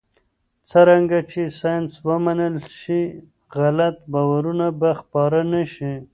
څرنګه چې ساینس ومنل شي، غلط باورونه به خپاره نه شي.